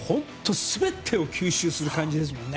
すべてを吸収する感じですもんね。